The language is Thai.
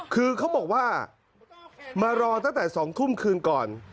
คือเขาบอกว่ามารอตั้งแต่๒ทุ่มคืนก่อน